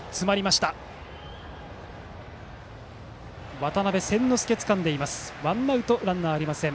渡邉千之亮がつかんでワンアウトランナーありません